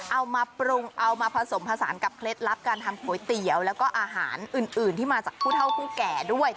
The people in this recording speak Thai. เอามาปรุงเอามาผสมผสานกับเคล็ดลับการทำก๋วยเตี๋ยวแล้วก็อาหารอื่นที่มาจากผู้เท่าผู้แก่ด้วย